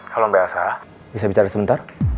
halo mba asa bisa bicara sebentar